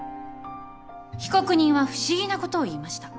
被告人は不思議なことを言いました。